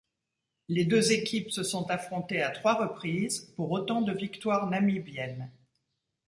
Les deux équipes se sont affrontées à trois reprises, pour autant de victoires namibiennes.